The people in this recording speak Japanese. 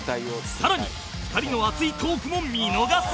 更に２人の熱いトークも見逃すな！